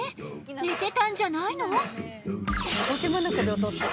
寝てたんじゃないの？